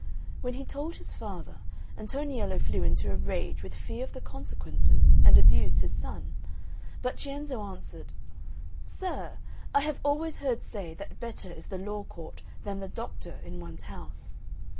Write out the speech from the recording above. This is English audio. When he told his father, Antoniello flew into a rage with fear of the consequences and abused his son; but Cienzo answered, "Sir, I have always heard say that better is the law court than the doctor in one's house.